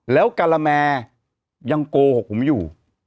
แล้วการาแมยังโกหกผมอยู่